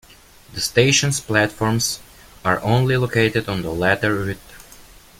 The station's platforms are only located on the latter route.